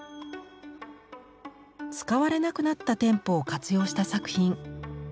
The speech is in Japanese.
使われなくなった店舗を活用した作品。